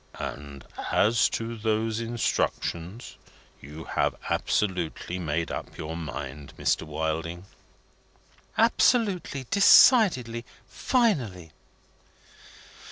"And as to those instructions, you have absolutely made up your mind, Mr. Wilding?" "Absolutely, decidedly, finally."